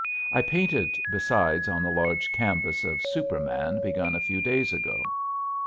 I painted besides on the large canvas of Superman begun a few days ago.